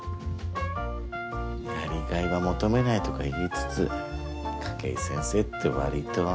やりがいは求めないとか言いつつ筧先生ってわりと。